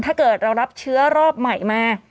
ถ้าเกิดเรารับเชื้อรอบใหม่มา